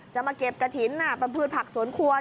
จะมาเก็บกะถิ้นแบบผืดผักสวนครัว